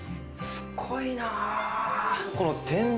すっごいな。